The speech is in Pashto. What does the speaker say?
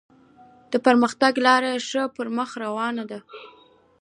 د پرمختګ لاره یې ښه پر مخ روانه ده.